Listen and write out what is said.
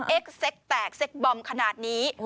เอ็กเซ็กแตกเซ็กบอมขนาดนี้